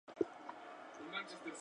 Primera versión impresa del texto.